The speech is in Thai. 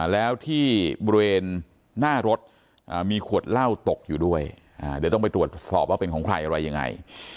แล้วที่บริเวณหน้ารถมีขวดเหล้าตกอยู่ด้วยเดี๋ยวต้องไปตรวจสอบว่าเป็นของใครอะไรยังไง